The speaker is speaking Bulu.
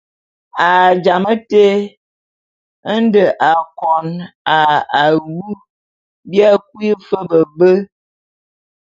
A jamé te nde akon a awu bia kui fe be be.